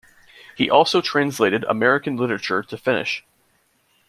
He also translated American literature to Finnish.